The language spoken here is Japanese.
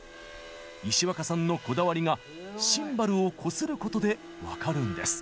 石若さんのこだわりがシンバルをこすることで分かるんです。